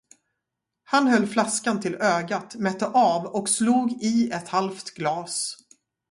Han höll flaskan till ögat, mätte av och slog i ett halvt glas.